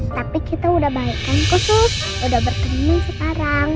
tapi kita udah balik kan khusus udah berteman sekarang